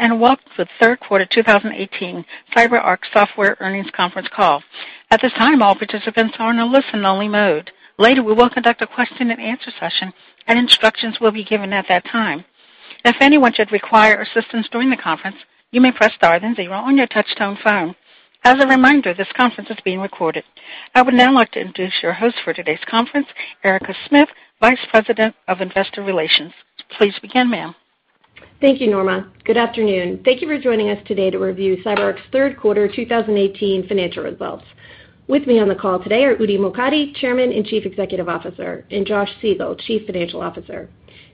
Welcome to the third quarter 2018 CyberArk Software earnings conference call. At this time, all participants are in a listen-only mode. Later, we will conduct a question and answer session, and instructions will be given at that time. If anyone should require assistance during the conference, you may press star then zero on your touchtone phone. As a reminder, this conference is being recorded. I would now like to introduce your host for today's conference, Erica Smith, Vice President of Investor Relations. Please begin, ma'am. Thank you, Norma. Good afternoon. Thank you for joining us today to review CyberArk's third quarter 2018 financial results. With me on the call today are Udi Mokady, Chairman and Chief Executive Officer, and Josh Siegel, Chief Financial Officer.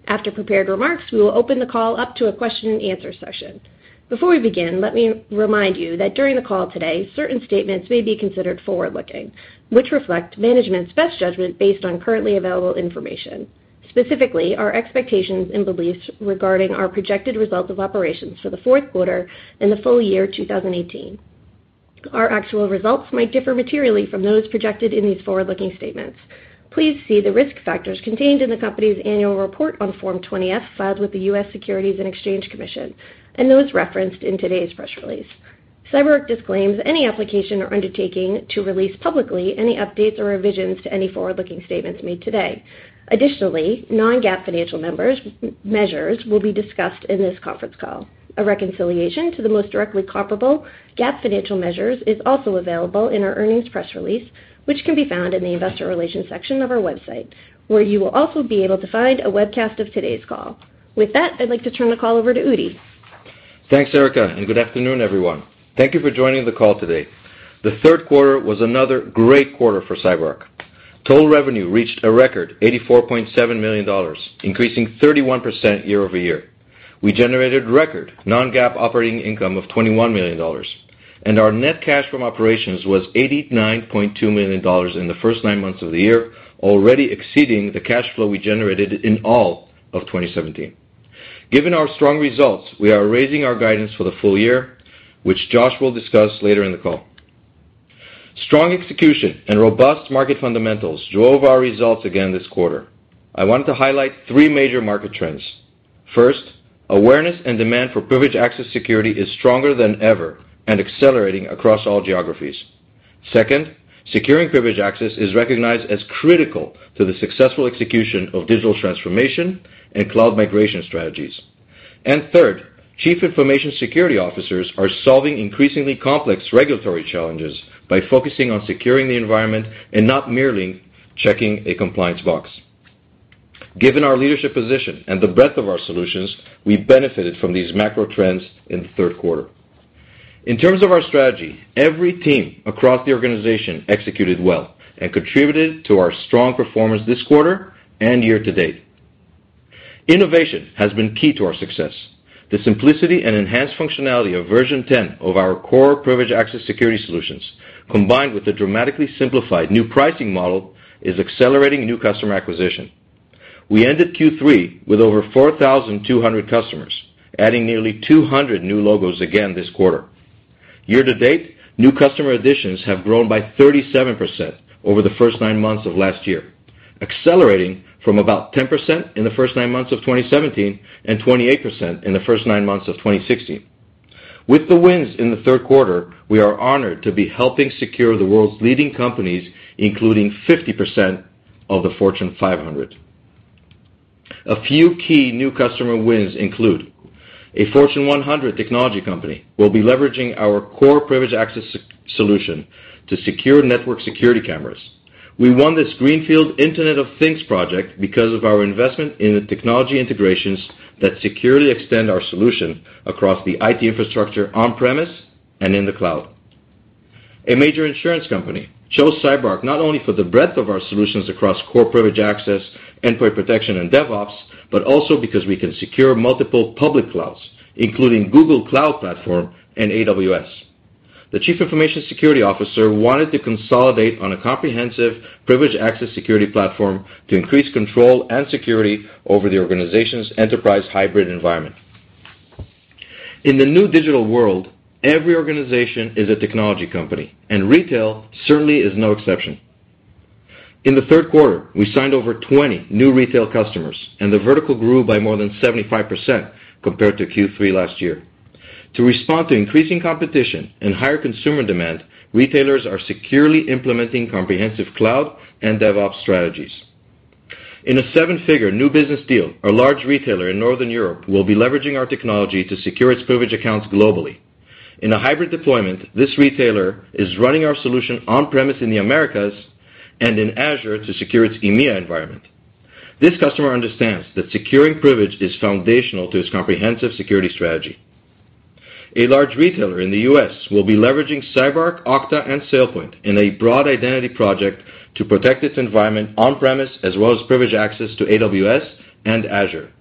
After prepared remarks, we will open the call up to a question and answer session. Before we begin, let me remind you that during the call today, certain statements may be considered forward-looking, which reflect management's best judgment based on currently available information, specifically our expectations and beliefs regarding our projected results of operations for the fourth quarter and the full year 2018. Our actual results might differ materially from those projected in these forward-looking statements. Please see the risk factors contained in the company's annual report on Form 20-F filed with the U.S. Securities and Exchange Commission, and those referenced in today's press release. CyberArk disclaims any application or undertaking to release publicly any updates or revisions to any forward-looking statements made today. Additionally, non-GAAP financial measures will be discussed in this conference call. A reconciliation to the most directly comparable GAAP financial measures is also available in our earnings press release, which can be found in the investor relations section of our website, where you will also be able to find a webcast of today's call. With that, I'd like to turn the call over to Udi. Thanks, Erica. Good afternoon, everyone. Thank you for joining the call today. The third quarter was another great quarter for CyberArk. Total revenue reached a record $84.7 million, increasing 31% year-over-year. We generated record non-GAAP operating income of $21 million, and our net cash from operations was $89.2 million in the first nine months of the year, already exceeding the cash flow we generated in all of 2017. Given our strong results, we are raising our guidance for the full year, which Josh will discuss later in the call. Strong execution and robust market fundamentals drove our results again this quarter. I wanted to highlight three major market trends. First, awareness and demand for privileged access security is stronger than ever and accelerating across all geographies. Second, securing privileged access is recognized as critical to the successful execution of digital transformation and cloud migration strategies. Third, Chief Information Security Officers are solving increasingly complex regulatory challenges by focusing on securing the environment and not merely checking a compliance box. Given our leadership position and the breadth of our solutions, we benefited from these macro trends in the third quarter. In terms of our strategy, every team across the organization executed well and contributed to our strong performance this quarter and year to date. Innovation has been key to our success. The simplicity and enhanced functionality of version 10 of our Core Privileged Access Security solutions, combined with the dramatically simplified new pricing model, is accelerating new customer acquisition. We ended Q3 with over 4,200 customers, adding nearly 200 new logos again this quarter. Year to date, new customer additions have grown by 37% over the first nine months of last year, accelerating from about 10% in the first nine months of 2017 and 28% in the first nine months of 2016. With the wins in the third quarter, we are honored to be helping secure the world's leading companies, including 50% of the Fortune 500. A few key new customer wins include a Fortune 100 technology company who will be leveraging our Core Privileged Access solution to secure network security cameras. We won this greenfield Internet of Things project because of our investment in the technology integrations that securely extend our solution across the IT infrastructure on-premise and in the cloud. A major insurance company chose CyberArk not only for the breadth of our solutions across Core Privileged Access, endpoint protection, and DevOps, but also because we can secure multiple public clouds, including Google Cloud Platform and AWS. The Chief Information Security Officer wanted to consolidate on a comprehensive privileged access security platform to increase control and security over the organization's enterprise hybrid environment. In the new digital world, every organization is a technology company, and retail certainly is no exception. In the third quarter, we signed over 20 new retail customers, and the vertical grew by more more than 75% compared to Q3 last year. To respond to increasing competition and higher consumer demand, retailers are securely implementing comprehensive cloud and DevOps strategies. In a seven-figure new business deal, a large retailer in Northern Europe will be leveraging our technology to secure its privileged accounts globally. In a hybrid deployment, this retailer is running our solution on-premise in the Americas and in Azure to secure its EMEA environment. This customer understands that securing privilege is foundational to its comprehensive security strategy. A large retailer in the U.S. will be leveraging CyberArk, Okta, and SailPoint in a broad identity project to protect its environment on-premise as well as privileged access to AWS and Azure.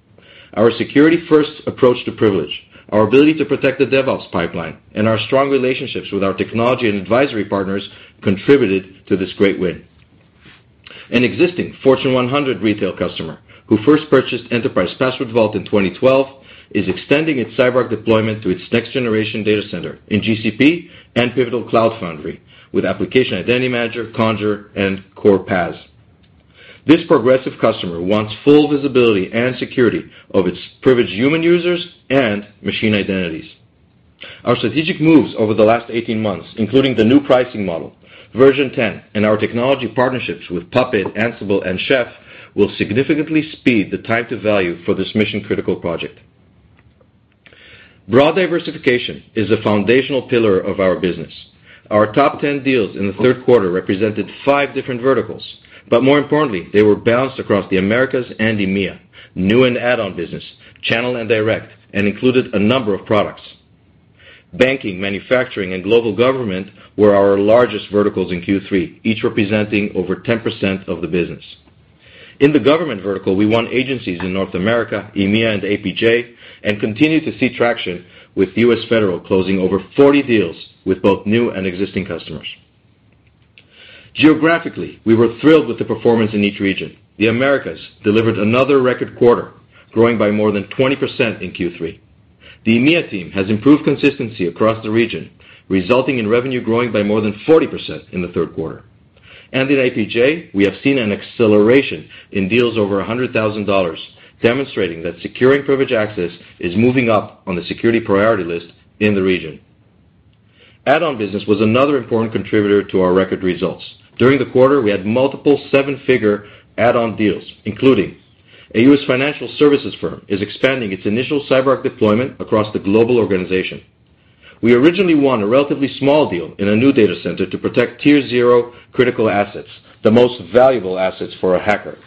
Our security-first approach to privilege, our ability to protect the DevOps pipeline, and our strong relationships with our technology and advisory partners contributed to this great win. An existing Fortune 100 retail customer who first purchased Enterprise Password Vault in 2012 is extending its CyberArk deployment to its next-generation data center in GCP and Pivotal Cloud Foundry with Application Identity Manager, Conjur, and Core PAS. This progressive customer wants full visibility and security of its privileged human users and machine identities. Our strategic moves over the last 18 months, including the new pricing model, version 10, and our technology partnerships with Puppet, Ansible, and Chef, will significantly speed the time to value for this mission-critical project. Broad diversification is a foundational pillar of our business. Our top 10 deals in the third quarter represented five different verticals, but more importantly, they were balanced across the Americas and EMEA, new and add-on business, channel and direct, and included a number of products. Banking, manufacturing, and global government were our largest verticals in Q3, each representing over 10% of the business. In the government vertical, we won agencies in North America, EMEA, and APJ, and continue to see traction with U.S. Federal closing over 40 deals with both new and existing customers. Geographically, we were thrilled with the performance in each region. The Americas delivered another record quarter, growing by more than 20% in Q3. The EMEA team has improved consistency across the region, resulting in revenue growing by more than 40% in the third quarter. In APJ, we have seen an acceleration in deals over $100,000, demonstrating that securing privileged access is moving up on the security priority list in the region. Add-on business was another important contributor to our record results. During the quarter, we had multiple seven-figure add-on deals, including a U.S. financial services firm is expanding its initial CyberArk deployment across the global organization. We originally won a relatively small deal in a new data center to protect tier 0 critical assets, the most valuable assets for a hacker.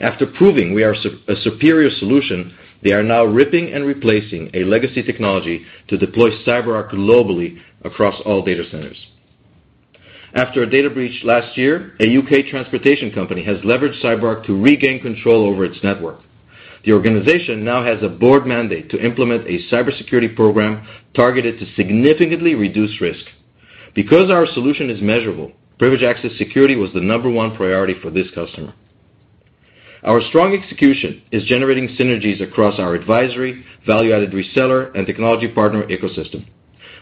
After proving we are a superior solution, they are now ripping and replacing a legacy technology to deploy CyberArk globally across all data centers. After a data breach last year, a U.K. transportation company has leveraged CyberArk to regain control over its network. The organization now has a board mandate to implement a cybersecurity program targeted to significantly reduce risk. Because our solution is measurable, privileged access security was the number one priority for this customer. Our strong execution is generating synergies across our advisory, value-added reseller, and technology partner ecosystem,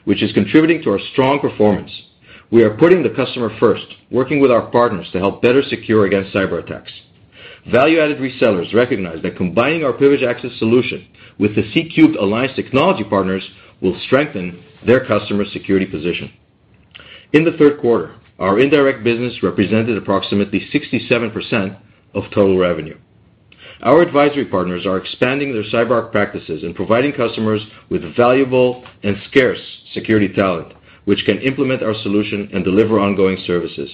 which is contributing to our strong performance. We are putting the customer first, working with our partners to help better secure against cyber attacks. Value-added resellers recognize that combining our privileged access solution with the C3 Alliance technology partners will strengthen their customers' security position. In the third quarter, our indirect business represented approximately 67% of total revenue. Our advisory partners are expanding their CyberArk practices and providing customers with valuable and scarce security talent, which can implement our solution and deliver ongoing services.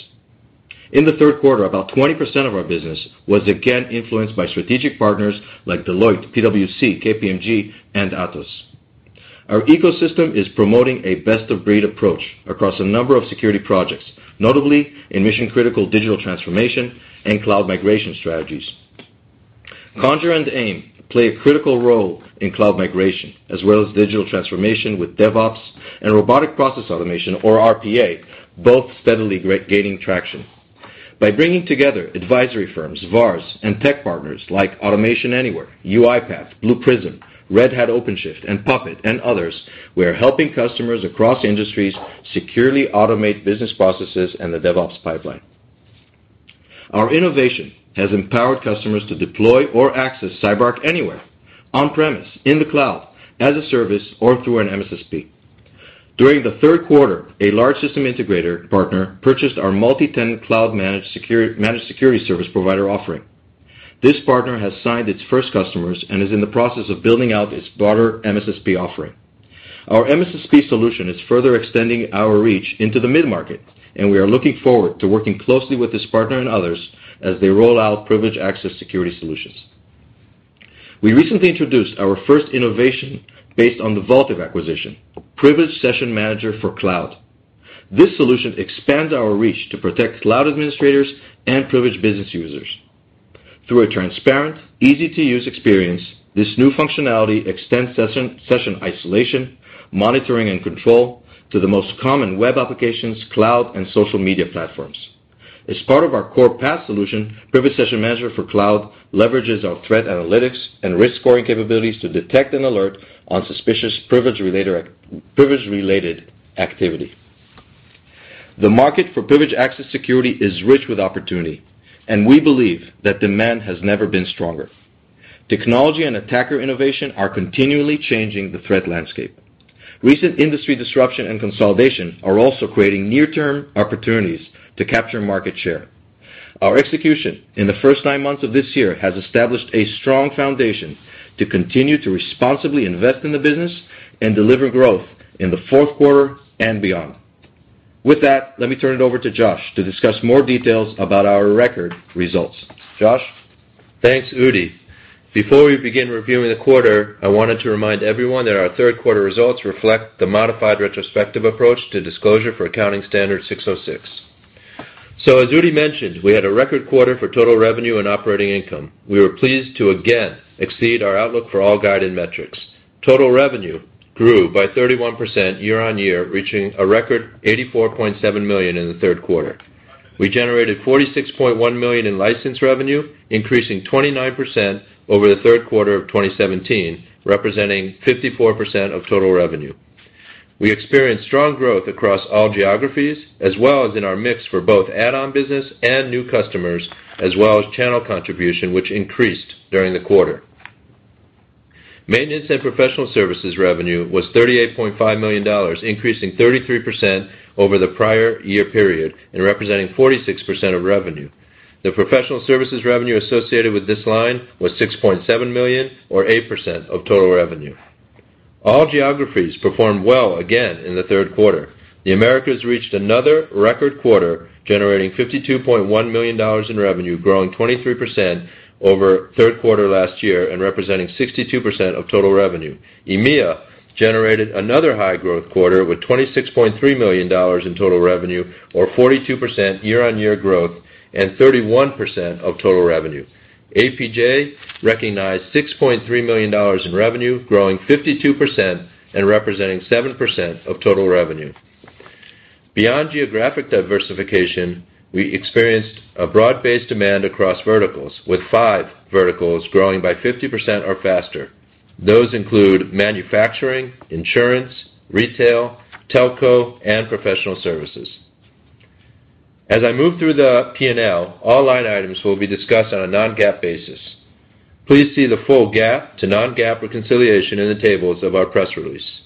In the third quarter, about 20% of our business was again influenced by strategic partners like Deloitte, PwC, KPMG, and Atos. Our ecosystem is promoting a best-of-breed approach across a number of security projects, notably in mission-critical digital transformation and cloud migration strategies. Conjur and AIM play a critical role in cloud migration, as well as digital transformation with DevOps and robotic process automation, or RPA, both steadily gaining traction. By bringing together advisory firms, VARs, and tech partners like Automation Anywhere, UiPath, Blue Prism, Red Hat OpenShift, and Puppet, and others, we are helping customers across industries securely automate business processes and the DevOps pipeline. Our innovation has empowered customers to deploy or access CyberArk anywhere on-premise, in the cloud, as a service, or through an MSSP. During the third quarter, a large system integrator partner purchased our multi-tenant cloud managed security service provider offering. This partner has signed its first customers and is in the process of building out its broader MSSP offering. Our MSSP solution is further extending our reach into the mid-market, we are looking forward to working closely with this partner and others as they roll out privileged access security solutions. We recently introduced our first innovation based on the Vaultive acquisition, Privileged Session Manager for Cloud. This solution expands our reach to protect cloud administrators and privileged business users. Through a transparent, easy-to-use experience, this new functionality extends session isolation, monitoring, and control to the most common web applications, cloud, and social media platforms. Part of our Core PAS solution, Privileged Session Manager for Cloud leverages our threat analytics and risk scoring capabilities to detect and alert on suspicious privilege-related activity. The market for privileged access security is rich with opportunity, we believe that demand has never been stronger. Technology and attacker innovation are continually changing the threat landscape. Recent industry disruption and consolidation are also creating near-term opportunities to capture market share. Our execution in the first nine months of this year has established a strong foundation to continue to responsibly invest in the business and deliver growth in the fourth quarter and beyond. With that, let me turn it over to Josh to discuss more details about our record results. Josh? Thanks, Udi. Before we begin reviewing the quarter, I wanted to remind everyone that our third quarter results reflect the modified retrospective approach to disclosure for Accounting Standard 606. As Udi mentioned, we had a record quarter for total revenue and operating income. We were pleased to again exceed our outlook for all guided metrics. Total revenue grew by 31% year-on-year, reaching a record $84.7 million in the third quarter. We generated $46.1 million in license revenue, increasing 29% over the third quarter of 2017, representing 54% of total revenue. We experienced strong growth across all geographies, as well as in our mix for both add-on business and new customers, as well as channel contribution, which increased during the quarter. Maintenance and professional services revenue was $38.5 million, increasing 33% over the prior year period and representing 46% of revenue. The professional services revenue associated with this line was $6.7 million, or 8% of total revenue. All geographies performed well again in the third quarter. The Americas reached another record quarter, generating $52.1 million in revenue, growing 23% over third quarter last year and representing 62% of total revenue. EMEA generated another high growth quarter with $26.3 million in total revenue, or 42% year-on-year growth and 31% of total revenue. APJ recognized $6.3 million in revenue, growing 52% and representing 7% of total revenue. Beyond geographic diversification, we experienced a broad-based demand across verticals, with five verticals growing by 50% or faster. Those include manufacturing, insurance, retail, telco, and professional services. As I move through the P&L, all line items will be discussed on a non-GAAP basis. Please see the full GAAP to non-GAAP reconciliation in the tables of our press release.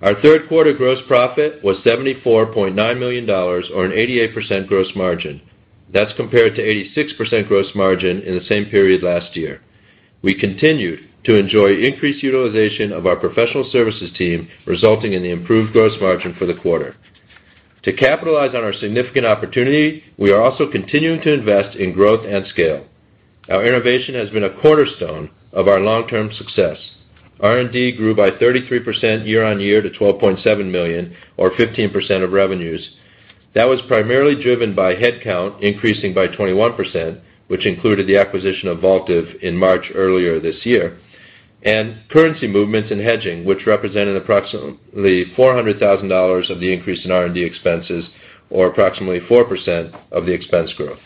Our third quarter gross profit was $74.9 million, or an 88% gross margin. That's compared to 86% gross margin in the same period last year. We continued to enjoy increased utilization of our professional services team, resulting in the improved gross margin for the quarter. To capitalize on our significant opportunity, we are also continuing to invest in growth and scale. Our innovation has been a cornerstone of our long-term success. R&D grew by 33% year-on-year to $12.7 million, or 15% of revenues. That was primarily driven by headcount increasing by 21%, which included the acquisition of Vaultive in March earlier this year, and currency movements and hedging, which represented approximately $400,000 of the increase in R&D expenses, or approximately 4% of the expense growth.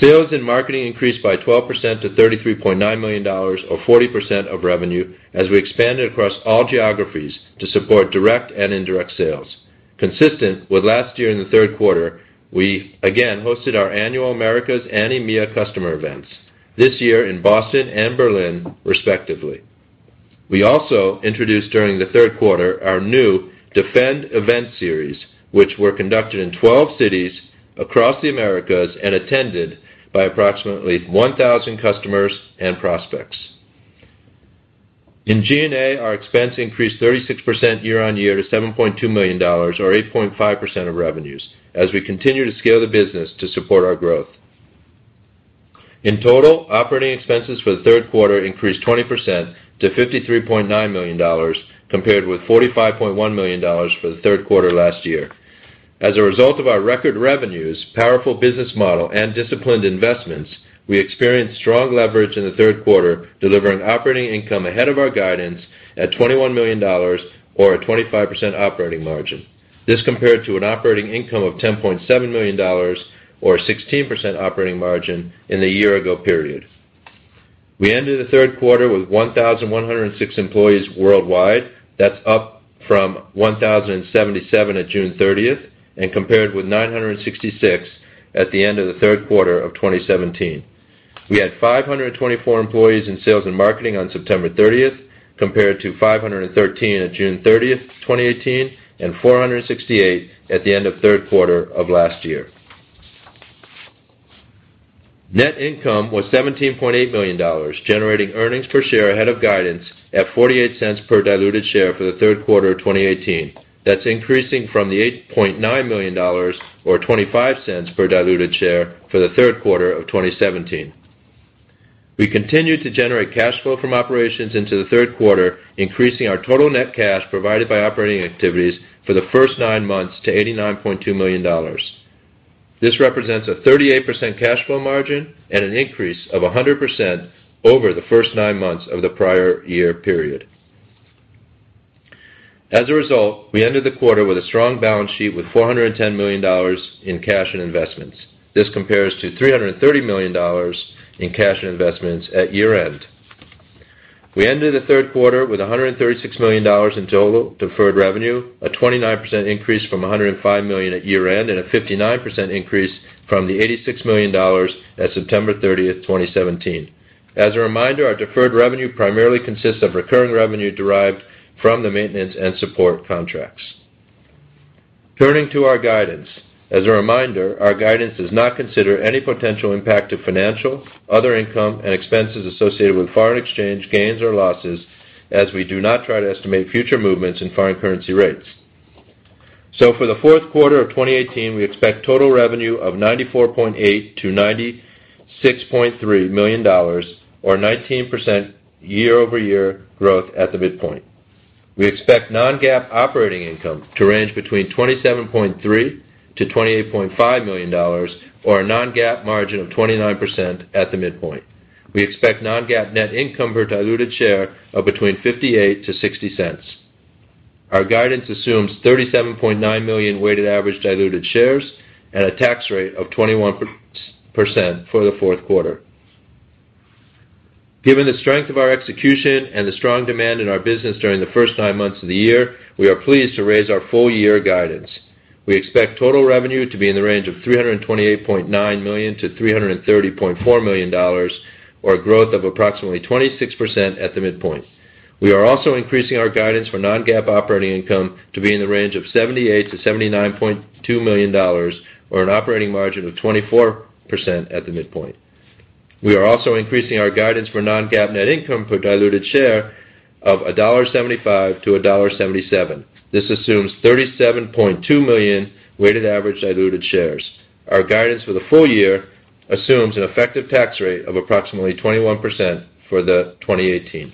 Sales and marketing increased by 12% to $33.9 million, or 40% of revenue, as we expanded across all geographies to support direct and indirect sales. Consistent with last year in the third quarter, we again hosted our annual Americas and EMEA customer events, this year in Boston and Berlin, respectively. We also introduced during the third quarter our new Defend event series, which were conducted in 12 cities across the Americas and attended by approximately 1,000 customers and prospects. In G&A, our expense increased 36% year-on-year to $7.2 million, or 8.5% of revenues, as we continue to scale the business to support our growth. In total, operating expenses for the third quarter increased 20% to $53.9 million, compared with $45.1 million for the third quarter last year. As a result of our record revenues, powerful business model, and disciplined investments, we experienced strong leverage in the third quarter, delivering operating income ahead of our guidance at $21 million, or a 25% operating margin. This compared to an operating income of $10.7 million or 16% operating margin in the year-ago period. We ended the third quarter with 1,106 employees worldwide. That's up from 1,077 at June 30th and compared with 966 at the end of the third quarter of 2017. We had 524 employees in sales and marketing on September 30th, compared to 513 on June 30th, 2018, and 468 at the end of third quarter of last year. Net income was $17.8 million, generating earnings per share ahead of guidance at $0.48 per diluted share for the third quarter of 2018. That's increasing from the $8.9 million or $0.25 per diluted share for the third quarter of 2017. We continued to generate cash flow from operations into the third quarter, increasing our total net cash provided by operating activities for the first nine months to $89.2 million. This represents a 38% cash flow margin and an increase of 100% over the first nine months of the prior year period. As a result, we ended the quarter with a strong balance sheet with $410 million in cash and investments. This compares to $330 million in cash and investments at year-end. We ended the third quarter with $136 million in total deferred revenue, a 29% increase from $105 million at year-end and a 59% increase from the $86 million at September 30th, 2017. As a reminder, our deferred revenue primarily consists of recurring revenue derived from the maintenance and support contracts. Turning to our guidance. As a reminder, our guidance does not consider any potential impact of financial, other income, and expenses associated with foreign exchange gains or losses, as we do not try to estimate future movements in foreign currency rates. For the fourth quarter of 2018, we expect total revenue of $94.8 million-$96.3 million, or 19% year-over-year growth at the midpoint. We expect non-GAAP operating income to range between $27.3 million-$28.5 million, or a non-GAAP margin of 29% at the midpoint. We expect non-GAAP net income per diluted share of between $0.58-$0.60. Our guidance assumes 37.9 million weighted average diluted shares and a tax rate of 21% for the fourth quarter. Given the strength of our execution and the strong demand in our business during the first nine months of the year, we are pleased to raise our full year guidance. We expect total revenue to be in the range of $328.9 million-$330.4 million, or a growth of approximately 26% at the midpoint. We are also increasing our guidance for non-GAAP operating income to be in the range of $78 million-$79.2 million, or an operating margin of 24% at the midpoint. We are also increasing our guidance for non-GAAP net income per diluted share of $1.75-$1.77. This assumes 37.2 million weighted average diluted shares. Our guidance for the full year assumes an effective tax rate of approximately 21% for 2018.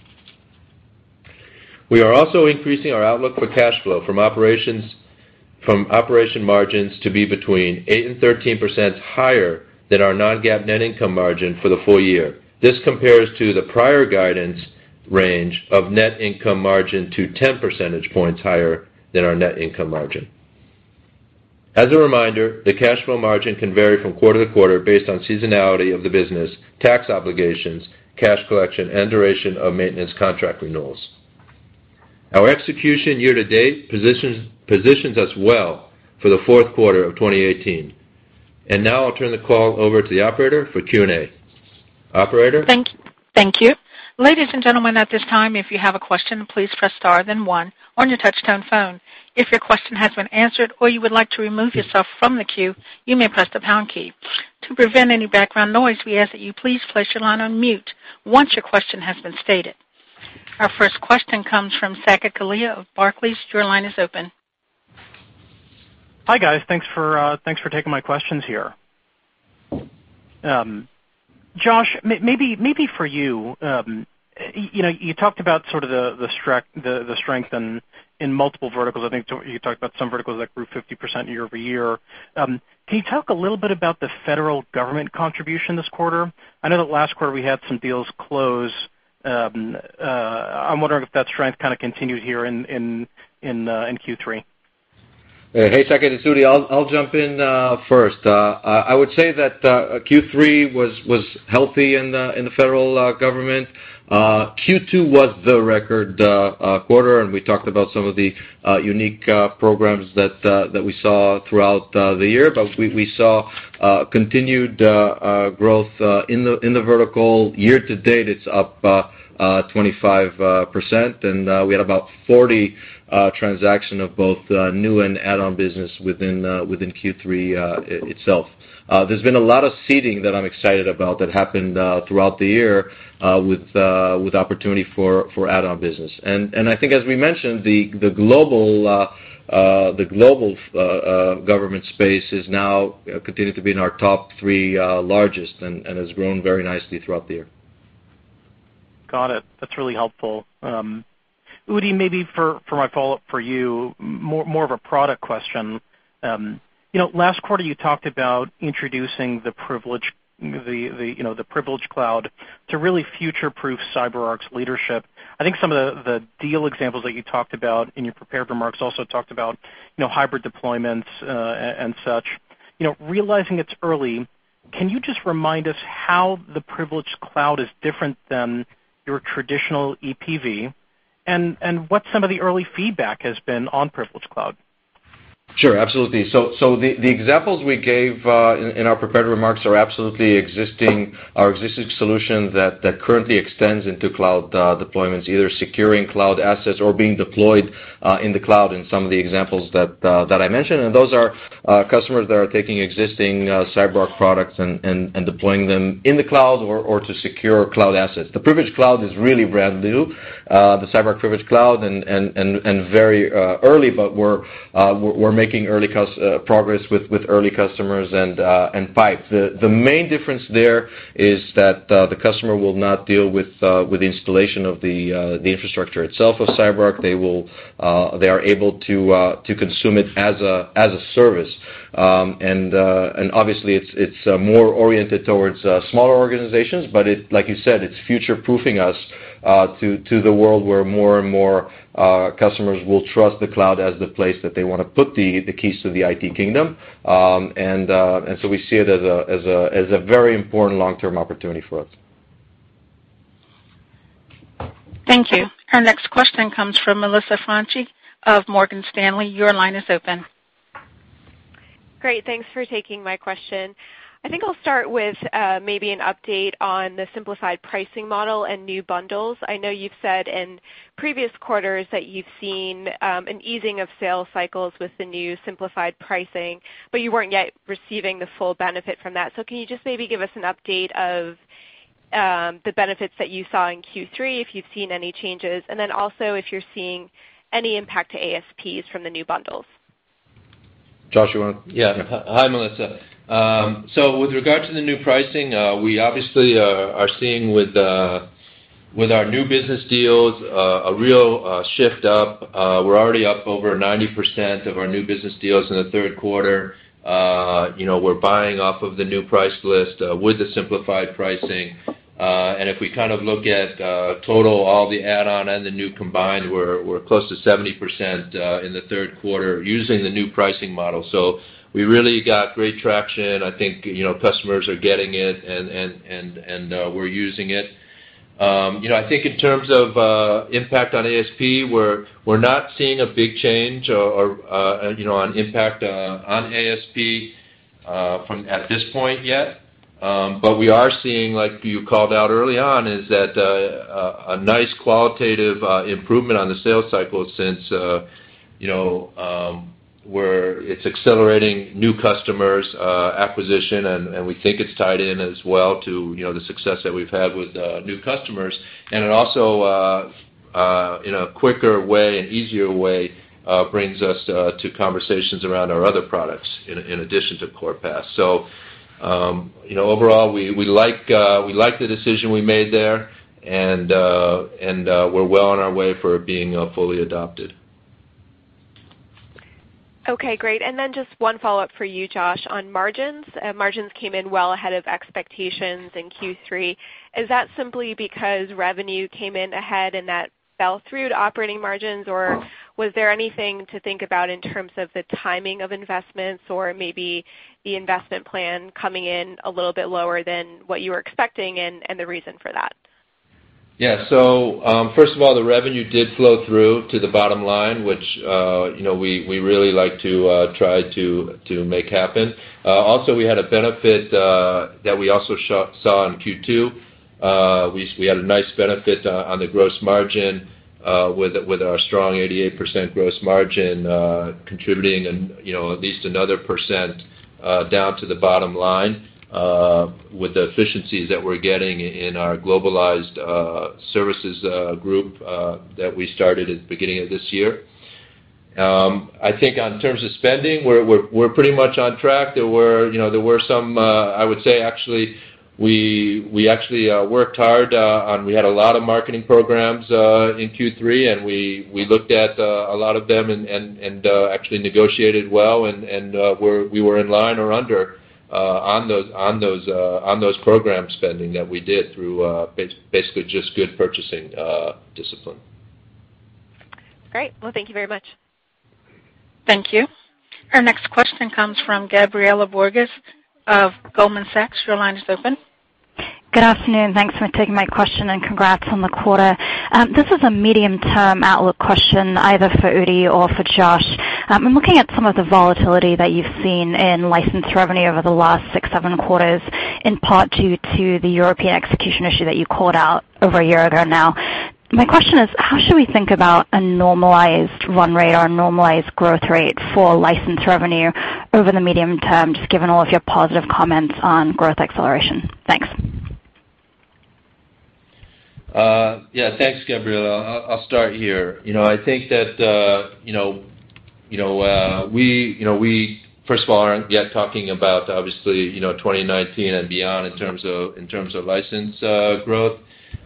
We are also increasing our outlook for cash flow from operation margins to be between eight and 13% higher than our non-GAAP net income margin for the full year. This compares to the prior guidance range of net income margin to 10 percentage points higher than our net income margin. As a reminder, the cash flow margin can vary from quarter to quarter based on seasonality of the business, tax obligations, cash collection, and duration of maintenance contract renewals. Our execution year to date positions us well for the fourth quarter of 2018. Now I'll turn the call over to the operator for Q&A. Operator? Thank you. Ladies and gentlemen, at this time, if you have a question, please press star, then one on your touchtone phone. If your question has been answered or you would like to remove yourself from the queue, you may press the pound key. To prevent any background noise, we ask that you please place your line on mute once your question has been stated. Our first question comes from Saket Kalia of Barclays. Your line is open. Hi, guys. Thanks for taking my questions here. Josh, maybe for you. You talked about the strength in multiple verticals. I think you talked about some verticals that grew 50% year-over-year. Can you talk a little bit about the federal government contribution this quarter? I know that last quarter we had some deals close. I'm wondering if that strength continued here in Q3. Hey, Saket. It's Udi. I'll jump in first. I would say that Q3 was healthy in the federal government. Q2 was the record quarter. We talked about some of the unique programs that we saw throughout the year. We saw continued growth in the vertical. Year to date, it's up 25%, and we had about 40 transactions of both new and add-on business within Q3 itself. There's been a lot of seeding that I'm excited about that happened throughout the year with opportunity for add-on business. I think as we mentioned, the global government space is now continued to be in our top three largest and has grown very nicely throughout the year. Got it. That's really helpful. Udi, maybe for my follow-up for you, more of a product question. Last quarter you talked about introducing the Privilege Cloud to really future-proof CyberArk's leadership. I think some of the deal examples that you talked about in your prepared remarks also talked about hybrid deployments and such. Realizing it's early, can you just remind us how the Privilege Cloud is different than your traditional EPV, and what some of the early feedback has been on Privilege Cloud? Sure, absolutely. The examples we gave in our prepared remarks are absolutely our existing solution that currently extends into cloud deployments, either securing cloud assets or being deployed in the cloud in some of the examples that I mentioned. Those are customers that are taking existing CyberArk products and deploying them in the cloud or to secure cloud assets. The Privilege Cloud is really brand new, the CyberArk Privilege Cloud, and very early, but we're making progress with early customers and pipe. The main difference there is that the customer will not deal with the installation of the infrastructure itself of CyberArk. They are able to consume it as a service, and obviously, it's more oriented towards smaller organizations. Like you said, it's future-proofing us to the world where more and more customers will trust the cloud as the place that they want to put the keys to the IT kingdom. We see it as a very important long-term opportunity for us. Thank you. Our next question comes from Melissa Franchi of Morgan Stanley. Your line is open. Great. Thanks for taking my question. I think I'll start with maybe an update on the simplified pricing model and new bundles. I know you've said in previous quarters that you've seen an easing of sales cycles with the new simplified pricing, but you weren't yet receiving the full benefit from that. Can you just maybe give us an update of the benefits that you saw in Q3, if you've seen any changes, and then also if you're seeing any impact to ASPs from the new bundles? Josh, you want to? Yeah. Hi, Melissa. With regard to the new pricing, we obviously are seeing with our new business deals, a real shift up. We're already up over 90% of our new business deals in the third quarter. We're buying off of the new price list with the simplified pricing. If we look at total, all the add-on and the new combined, we're close to 70% in the third quarter using the new pricing model. We really got great traction. I think customers are getting it, and we're using it. I think in terms of impact on ASP, we're not seeing a big change or an impact on ASP at this point yet. We are seeing, like you called out early on, is that a nice qualitative improvement on the sales cycle since it's accelerating new customers acquisition, and we think it's tied in as well to the success that we've had with new customers. It also, in a quicker way, an easier way, brings us to conversations around our other products in addition to Core PAS. Overall, we like the decision we made there, and we're well on our way for being fully adopted. Okay, great. Just one follow-up for you, Josh, on margins. Margins came in well ahead of expectations in Q3. Is that simply because revenue came in ahead and that fell through to operating margins? Or was there anything to think about in terms of the timing of investments or maybe the investment plan coming in a little bit lower than what you were expecting and the reason for that? Yeah. First of all, the revenue did flow through to the bottom line, which we really like to try to make happen. Also, we had a benefit that we also saw in Q2. We had a nice benefit on the gross margin with our strong 88% gross margin contributing at least another percent down to the bottom line with the efficiencies that we're getting in our globalized services group that we started at the beginning of this year. I think in terms of spending, we're pretty much on track. We actually worked hard, we had a lot of marketing programs in Q3, we looked at a lot of them and actually negotiated well, and we were in line or under on those program spending that we did through basically just good purchasing discipline. Great. Well, thank you very much. Thank you. Our next question comes from Gabriela Borges of Goldman Sachs. Your line is open. Good afternoon. Thanks for taking my question and congrats on the quarter. This is a medium-term outlook question either for Udi or for Josh. I'm looking at some of the volatility that you've seen in licensed revenue over the last six, seven quarters, in part due to the European execution issue that you called out over a year ago now. My question is, how should we think about a normalized run rate or a normalized growth rate for licensed revenue over the medium term, just given all of your positive comments on growth acceleration? Thanks. Yeah. Thanks, Gabriela. I'll start here. I think that we, first of all, aren't yet talking about obviously 2019 and beyond in terms of license growth.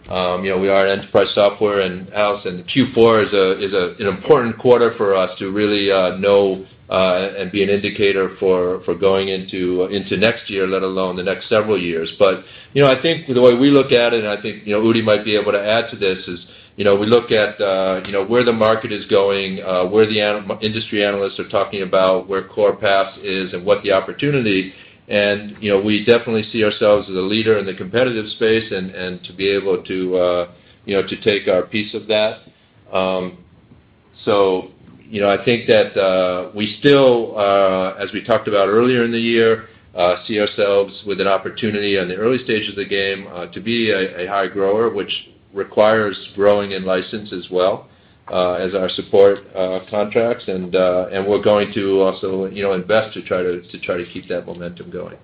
We are an enterprise software and also in Q4 is an important quarter for us to really know and be an indicator for going into next year, let alone the next several years. I think the way we look at it, and I think Udi might be able to add to this, is we look at where the market is going, where the industry analysts are talking about where Core PAS is and what the opportunity, we definitely see ourselves as a leader in the competitive space and to be able to take our piece of that. I think that we still, as we talked about earlier in the year, see ourselves with an opportunity in the early stages of the game to be a high grower, which requires growing in license as well as our support contracts. We're going to also invest to try to keep that momentum going.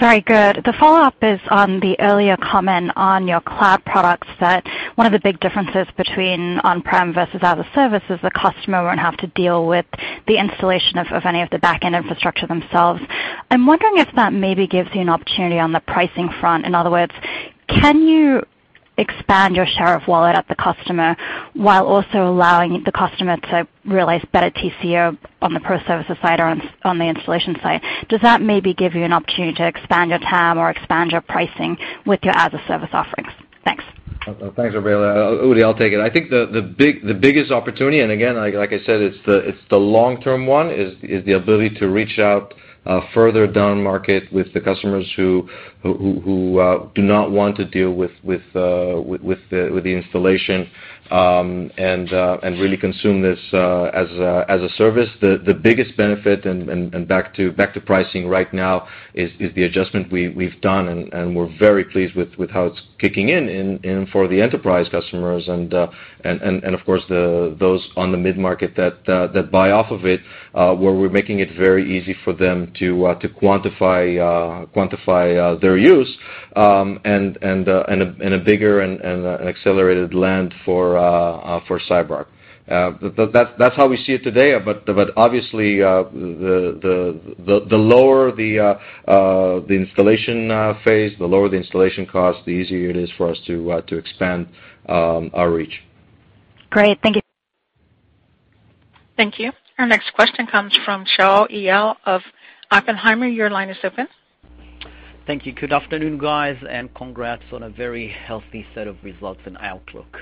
Very good. The follow-up is on the earlier comment on your cloud products, that one of the big differences between on-prem versus as-a-service is the customer won't have to deal with the installation of any of the back-end infrastructure themselves. I'm wondering if that maybe gives you an opportunity on the pricing front. In other words, can you expand your share of wallet at the customer while also allowing the customer to realize better TCO on the pro services side or on the installation side? Does that maybe give you an opportunity to expand your TAM or expand your pricing with your as-a-service offerings? Thanks. Thanks, Gabriela. Udi, I'll take it. I think the biggest opportunity, and again, like I said, it's the long-term one, is the ability to reach out further down market with the customers who do not want to deal with the installation and really consume this as a service. The biggest benefit, and back to pricing right now, is the adjustment we've done, and we're very pleased with how it's kicking in for the enterprise customers and of course, those on the mid-market that buy off of it, where we're making it very easy for them to quantify their use and a bigger and accelerated land for CyberArk. That's how we see it today. Obviously, the lower the installation phase, the lower the installation cost, the easier it is for us to expand our reach. Great. Thank you. Thank you. Our next question comes from Shaul Eyal of Oppenheimer. Your line is open. Thank you. Good afternoon, guys, and congrats on a very healthy set of results and outlook.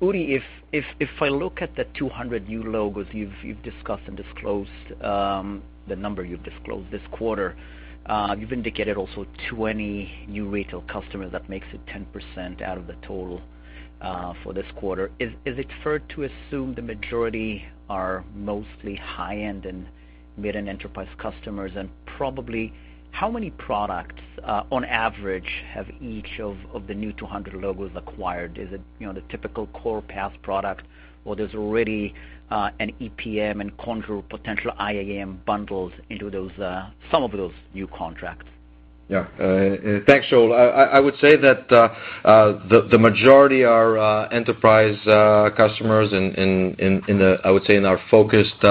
Udi, if I look at the 200 new logos you've discussed and the number you've disclosed this quarter, you've indicated also 20 new retail customers. That makes it 10% out of the total for this quarter. Is it fair to assume the majority are mostly high-end and mid-end enterprise customers? Probably, how many products, on average, have each of the new 200 logos acquired? Is it the typical Core PAS product, or there's already an EPM and Conjur potential IAM bundles into some of those new contracts? Yeah. Thanks, Shaul. I would say that the majority are enterprise customers in, I would say, in our focused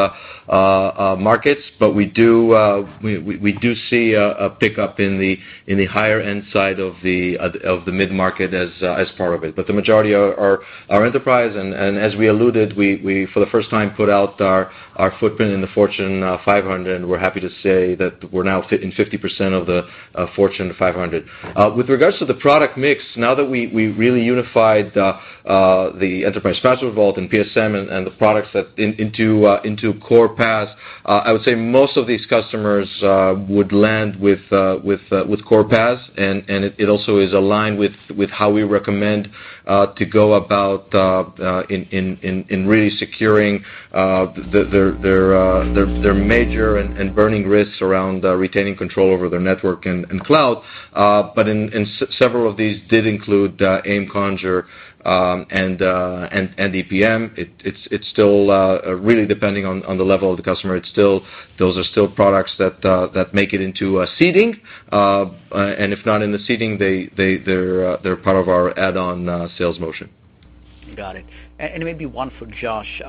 markets. We do see a pickup in the higher-end side of the mid-market as part of it. The majority are enterprise, and as we alluded, we, for the first time, put out our footprint in the Fortune 500, and we're happy to say that we're now fit in 50% of the Fortune 500. With regards to the product mix, now that we really unified the Enterprise Password Vault and PSM and the products into Core PAS, I would say most of these customers would land with Core PAS, and it also is aligned with how we recommend to go about in really securing their major and burning risks around retaining control over their network and cloud. Several of these did include AIM, Conjur, and EPM. It's still really depending on the level of the customer. Those are still products that make it into seeding, and if not in the seeding, they're part of our add-on sales motion. Got it. Maybe one for Josh.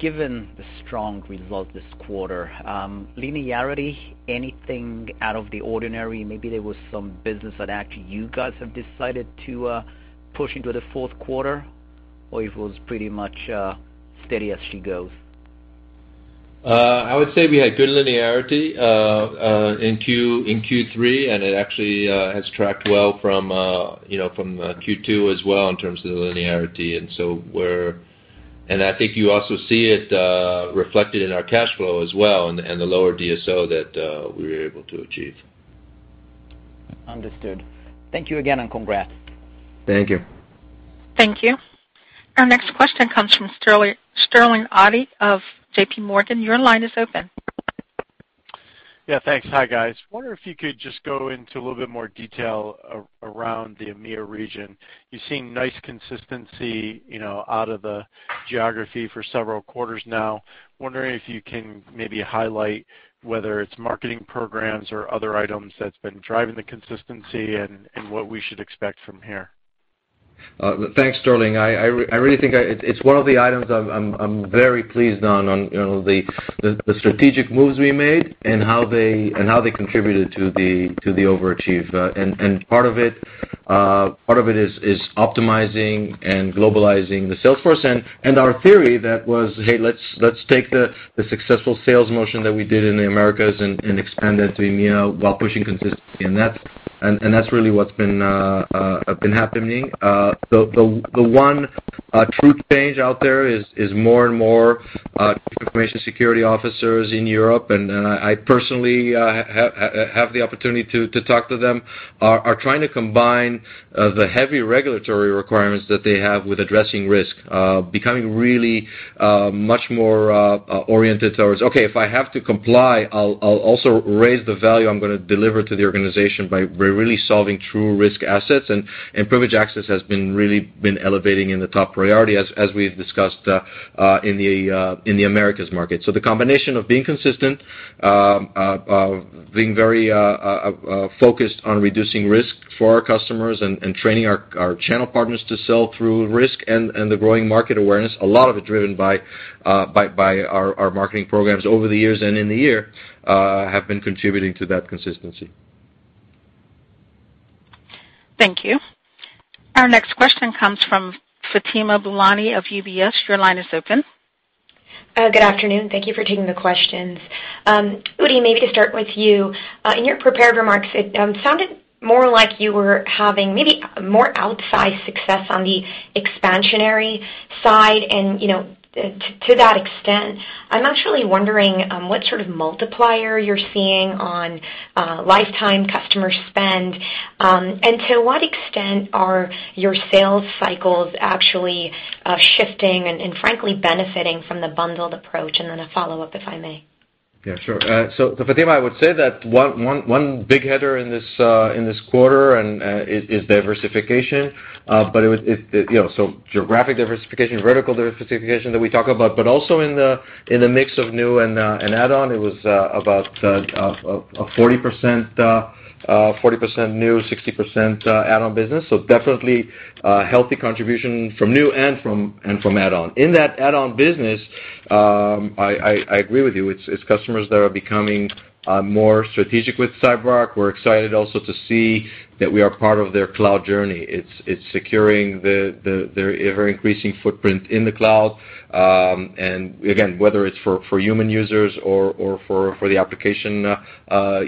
Given the strong result this quarter, linearity, anything out of the ordinary, maybe there was some business that actually you guys have decided to push into the fourth quarter, or it was pretty much steady as she goes? I would say we had good linearity in Q3, it actually has tracked well from Q2 as well in terms of the linearity. I think you also see it reflected in our cash flow as well and the lower DSO that we were able to achieve. Understood. Thank you again, and congrats. Thank you. Thank you. Our next question comes from Sterling Auty of JPMorgan. Your line is open. Thanks. Hi, guys. Wonder if you could just go into a little bit more detail around the EMEA region. You're seeing nice consistency out of the geography for several quarters now. Wondering if you can maybe highlight whether it's marketing programs or other items that's been driving the consistency and what we should expect from here. Thanks, Sterling. I really think it's one of the items I'm very pleased on the strategic moves we made and how they contributed to the overachieve. Part of it is optimizing and globalizing the sales force, and our theory that was, "Hey, let's take the successful sales motion that we did in the Americas and expand that to EMEA while pushing consistency in that." That's really what's been happening. The one true change out there is more and more information security officers in Europe, and I personally have the opportunity to talk to them, are trying to combine the heavy regulatory requirements that they have with addressing risk, becoming really much more oriented towards, "Okay, if I have to comply, I'll also raise the value I'm going to deliver to the organization by really solving true risk assets." Privilege access has been really been elevating in the top priority as we've discussed in the Americas market. The combination of being consistent, of being very focused on reducing risk for our customers and training our channel partners to sell through risk and the growing market awareness, a lot of it driven by our marketing programs over the years and in the year, have been contributing to that consistency. Thank you. Our next question comes from Fatima Boolani of UBS. Your line is open. Good afternoon. Thank you for taking the questions. Udi, maybe to start with you. In your prepared remarks, it sounded more like you were having maybe more outsized success on the expansionary side. To that extent, I'm actually wondering what sort of multiplier you're seeing on lifetime customer spend, and to what extent are your sales cycles actually shifting and frankly benefiting from the bundled approach? Then a follow-up, if I may. Yeah, sure. Fatima, I would say that one big header in this quarter is diversification. Geographic diversification, vertical diversification that we talk about, but also in the mix of new and add-on, it was about a 40% new, 60% add-on business. Definitely a healthy contribution from new and from add-on. In that add-on business, I agree with you. It's customers that are becoming more strategic with CyberArk. We're excited also to see that we are part of their cloud journey. It's securing their ever-increasing footprint in the cloud. Again, whether it's for human users or for the application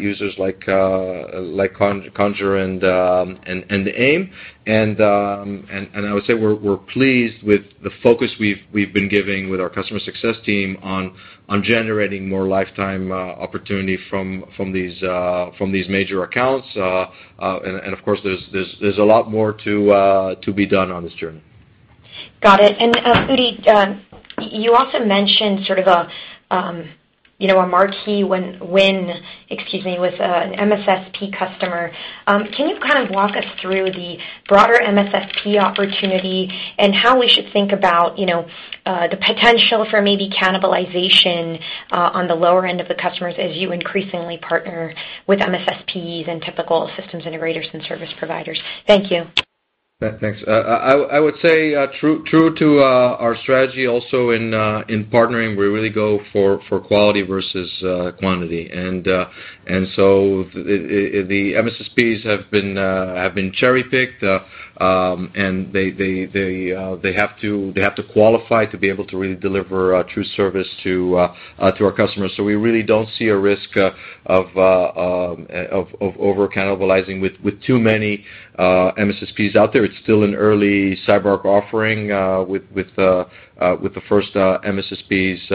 users like Conjur and AIM, I would say we're pleased with the focus we've been giving with our customer success team on generating more lifetime opportunity from these major accounts. Of course, there's a lot more to be done on this journey. Got it. Udi, you also mentioned sort of a marquee win with an MSSP customer. Can you kind of walk us through the broader MSSP opportunity and how we should think about the potential for maybe cannibalization on the lower end of the customers as you increasingly partner with MSSPs and typical systems integrators and service providers? Thank you. Yeah, thanks. I would say true to our strategy also in partnering, we really go for quality versus quantity. The MSSPs have been cherry-picked, and they have to qualify to be able to really deliver a true service to our customers. We really don't see a risk of over-cannibalizing with too many MSSPs out there. It's still an early CyberArk offering, with the first MSSPs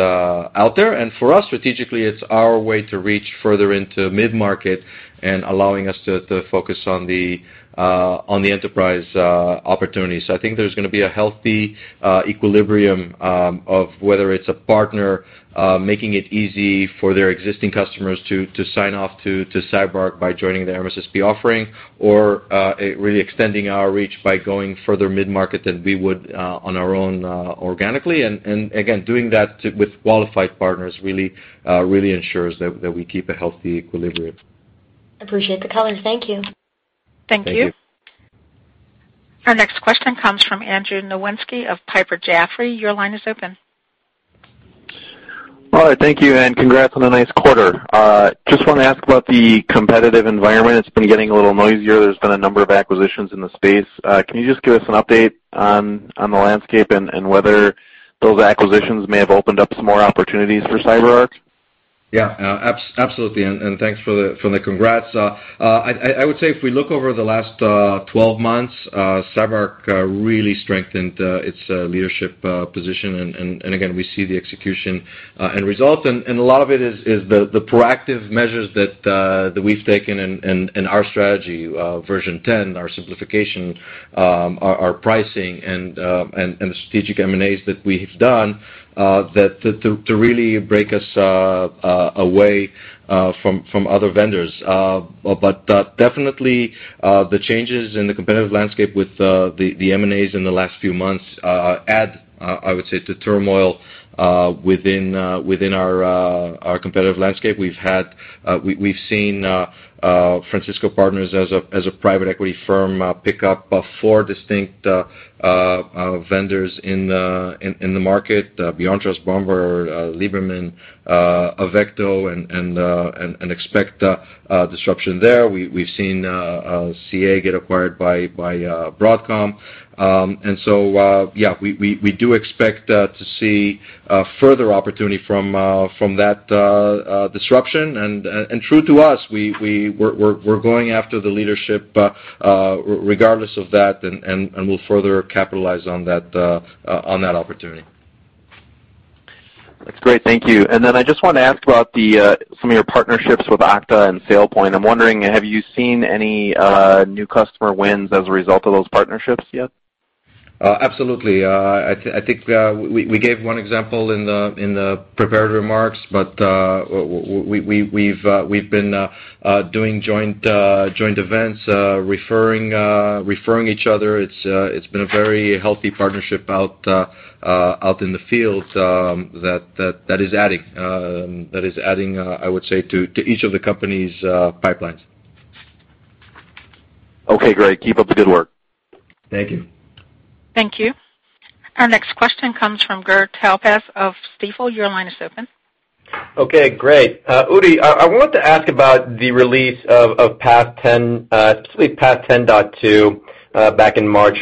out there. For us, strategically, it's our way to reach further into mid-market and allowing us to focus on the enterprise opportunities. I think there's going to be a healthy equilibrium of whether it's a partner making it easy for their existing customers to sign off to CyberArk by joining their MSSP offering or really extending our reach by going further mid-market than we would on our own organically. Again, doing that with qualified partners really ensures that we keep a healthy equilibrium. Appreciate the color. Thank you. Thank you. Thank you. Our next question comes from Andrew Nowinski of Piper Jaffray. Your line is open. All right, thank you, and congrats on a nice quarter. Just want to ask about the competitive environment. It's been getting a little noisier. There's been a number of acquisitions in the space. Can you just give us an update on the landscape and whether those acquisitions may have opened up some more opportunities for CyberArk? Yeah. Absolutely. Thanks for the congrats. I would say if we look over the last 12 months, CyberArk really strengthened its leadership position. Again, we see the execution and results. A lot of it is the proactive measures that we've taken in our strategy, version 10, our simplification, our pricing, and the strategic M&As that we've done to really break us away from other vendors. Definitely, the changes in the competitive landscape with the M&As in the last few months add, I would say, to turmoil within our competitive landscape. We've seen Francisco Partners as a private equity firm pick up four distinct vendors in the market, BeyondTrust, Bomgar, Lieberman, Avecto, and expect disruption there. We've seen CA get acquired by Broadcom. Yeah, we do expect to see further opportunity from that disruption. True to us, we're going after the leadership regardless of that, and we'll further capitalize on that opportunity. That's great. Thank you. I just want to ask about some of your partnerships with Okta and SailPoint. I'm wondering, have you seen any new customer wins as a result of those partnerships yet? Absolutely. I think we gave one example in the prepared remarks. We've been doing joint events, referring each other. It's been a very healthy partnership out in the field that is adding, I would say, to each of the company's pipelines. Okay, great. Keep up the good work. Thank you. Thank you. Our next question comes from Gur Talpaz of Stifel. Your line is open. Okay, great. Udi, I want to ask about the release of PAS 10, specifically PAS 10.2 back in March.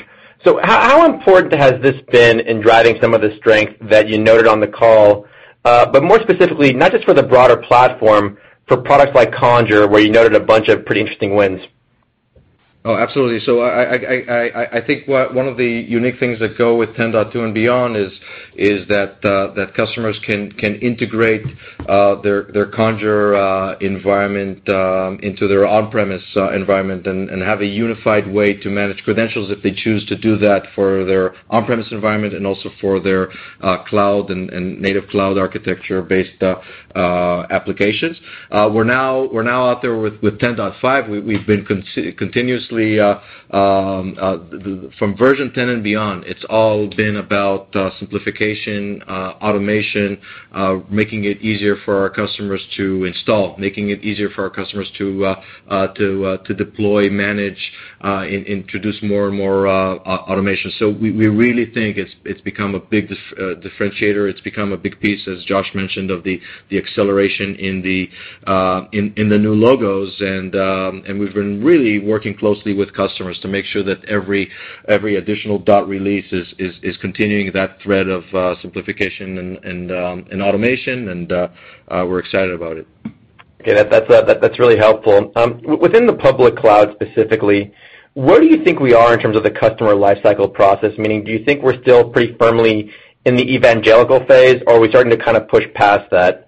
How important has this been in driving some of the strength that you noted on the call, but more specifically, not just for the broader platform, for products like Conjur, where you noted a bunch of pretty interesting wins? Oh, absolutely. I think one of the unique things that go with 10.2 and beyond is that customers can integrate their Conjur environment into their on-premise environment and have a unified way to manage credentials if they choose to do that for their on-premise environment and also for their cloud and native cloud architecture-based applications. We're now out there with 10.5. From version 10 and beyond, it's all been about simplification, automation. Making it easier for our customers to install, making it easier for our customers to deploy, manage, and introduce more and more automation. We really think it's become a big differentiator. It's become a big piece, as Josh mentioned, of the acceleration in the new logos, and we've been really working closely with customers to make sure that every additional dot release is continuing that thread of simplification and automation, and we're excited about it. Okay. That's really helpful. Within the public cloud specifically, where do you think we are in terms of the customer lifecycle process? Meaning, do you think we're still pretty firmly in the evangelical phase, or are we starting to push past that?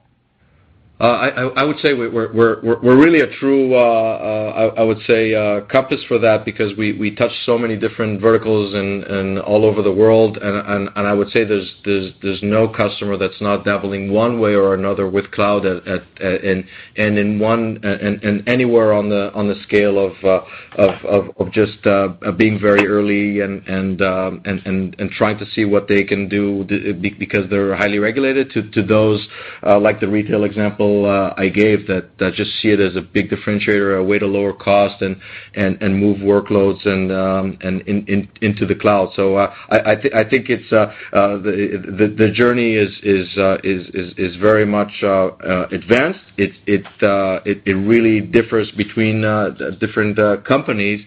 I would say we're really a true, I would say, compass for that because we touch so many different verticals and all over the world, and I would say there's no customer that's not dabbling one way or another with cloud, and anywhere on the scale of just being very early and trying to see what they can do because they're highly regulated, to those like the retail example I gave that just see it as a big differentiator, a way to lower cost and move workloads into the cloud. I think the journey is very much advanced. It really differs between different companies.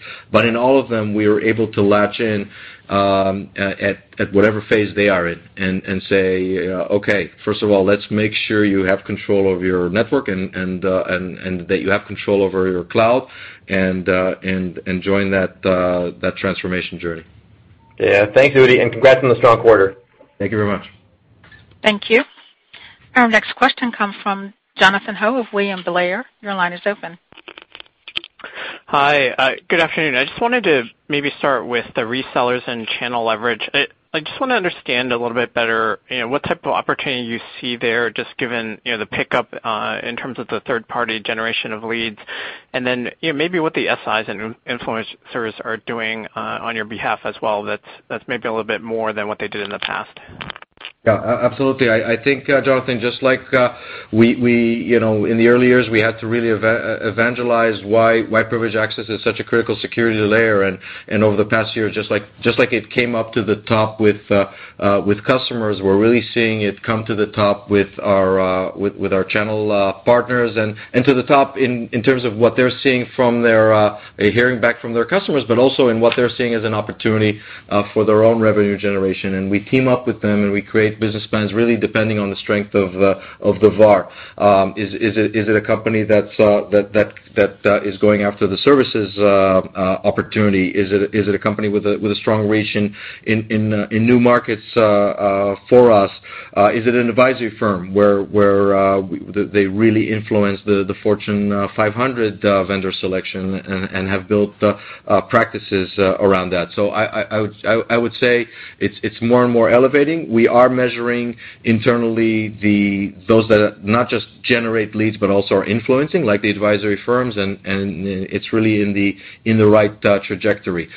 In all of them, we are able to latch in at whatever phase they are in and say, "Okay, first of all, let's make sure you have control over your network and that you have control over your cloud, and join that transformation journey. Yeah. Thanks, Udi, and congrats on the strong quarter. Thank you very much. Thank you. Our next question comes from Jonathan Ho of William Blair. Your line is open. Hi. Good afternoon. I just wanted to maybe start with the resellers and channel leverage. I just want to understand a little bit better what type of opportunity you see there, just given the pickup in terms of the third-party generation of leads, then maybe what the SIs and influencers are doing on your behalf as well that's maybe a little bit more than what they did in the past. Yeah, absolutely. I think, Jonathan, just like in the early years, we had to really evangelize why privileged access is such a critical security layer. Over the past year, just like it came up to the top with customers, we're really seeing it come to the top with our channel partners, and to the top in terms of what they're hearing back from their customers, but also in what they're seeing as an opportunity for their own revenue generation. We team up with them, and we create business plans, really depending on the strength of the VAR. Is it a company that is going after the services opportunity? Is it a company with a strong reach in new markets for us? Is it an advisory firm where they really influence the Fortune 500 vendor selection and have built practices around that? I would say it's more and more elevating. We are measuring internally those that not just generate leads but also are influencing, like the advisory firms, and it's really in the right trajectory.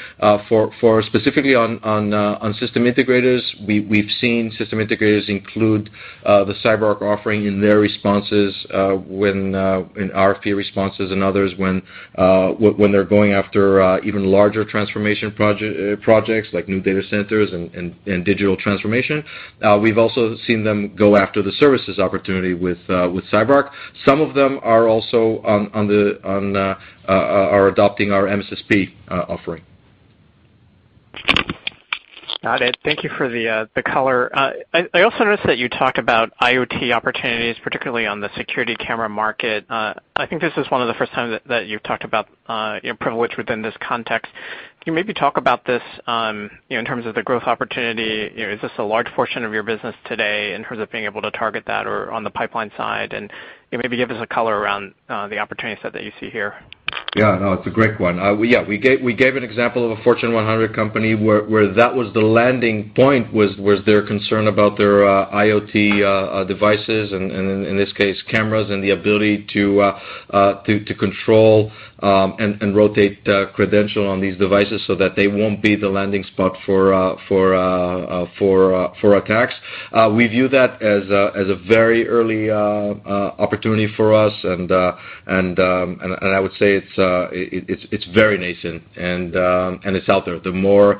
For specifically on system integrators, we've seen system integrators include the CyberArk offering in their responses, in RFP responses and others, when they're going after even larger transformation projects, like new data centers and digital transformation. We've also seen them go after the services opportunity with CyberArk. Some of them are also adopting our MSSP offering. Got it. Thank you for the color. I also noticed that you talked about IoT opportunities, particularly on the security camera market. I think this is one of the first times that you've talked about your privilege within this context. Can you maybe talk about this in terms of the growth opportunity? Is this a large portion of your business today in terms of being able to target that or on the pipeline side? Maybe give us a color around the opportunity set that you see here. Yeah. No, it's a great one. We gave an example of a Fortune 100 company where that was the landing point, was their concern about their IoT devices and, in this case, cameras and the ability to control and rotate credential on these devices so that they won't be the landing spot for attacks. We view that as a very early opportunity for us, and I would say it's very nascent, and it's out there. The more